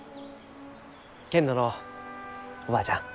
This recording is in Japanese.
けんどのうおばあちゃん。